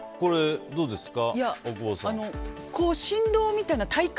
どうですか？